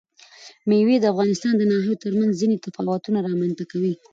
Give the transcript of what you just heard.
مېوې د افغانستان د ناحیو ترمنځ ځینې تفاوتونه رامنځ ته کوي.